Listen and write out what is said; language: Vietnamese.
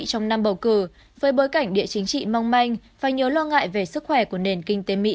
trong năm bầu cử với bối cảnh địa chính trị mong manh và nhớ lo ngại về sức khỏe của nền kinh tế mỹ